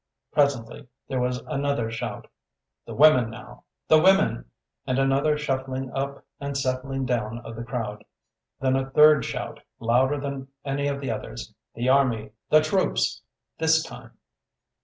'" "Presently there was another shout: 'The women now! The women!' and another shuffling up and settling down of the crowd. Then a third shout, louder than any of the others: 'The army! The troops!' this time.